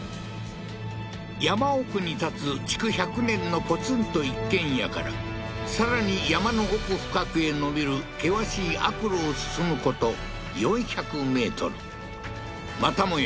山奥に建つ築１００年のポツンと一軒家からさらに山の奥深くへ延びる険しい悪路を進むこと４００ｍまたもや